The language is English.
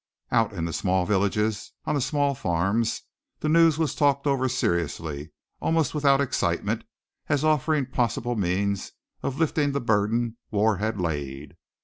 Out in the small villages, on the small farms, the news was talked over seriously, almost without excitement, as offering a possible means of lifting the burden war had laid.